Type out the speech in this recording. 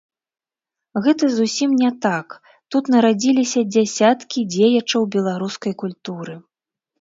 Гэта зусім не так, тут нарадзіліся дзясяткі дзеячаў беларускай культуры.